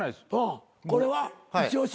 これは一推し？